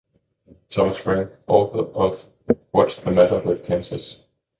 Thomas Frank, author of What's The Matter With Kansas?